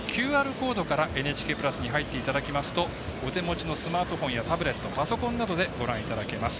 ＱＲコードからＮＨＫプラスに入っていただきますとお手持ちのスマートフォンやタブレットパソコンなどでご覧いただけます。